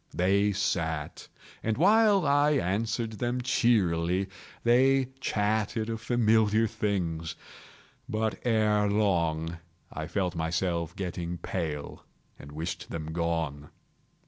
They sat, and while I answered cheerily, they chatted of familiar things. But, ere long, I felt myself getting pale and wished them gone.